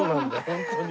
ホントに。